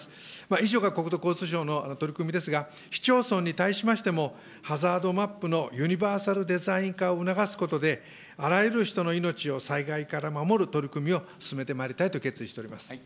以上が国土交通省の取り組みですが、市町村に対しましても、ハザードマップのユニバーサルデザイン化を促すことで、あらゆる人の命を災害から守る取り組みを進めてまいりたいと決意